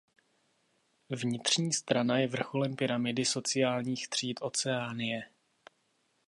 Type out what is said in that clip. Vnitřní strana je vrcholem pyramidy sociálních tříd Oceánie.